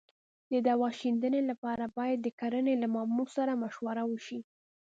د دوا شیندنې لپاره باید د کرنې له مامور سره مشوره وشي.